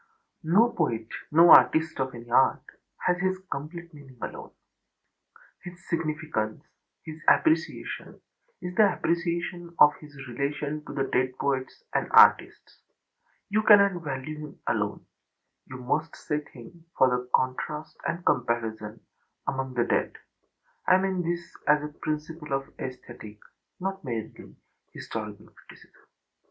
No poet, no artist of any art, has his complete meaning alone. His significance, his appreciation is the appreciation of his relation to the dead poets and artists. You cannot value him alone; you must set him, for contrast and comparison, among the dead. I mean this as a principle of aesthetic, not merely historical, criticism.